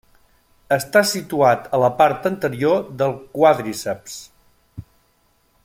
Està situat a la part anterior del quàdriceps.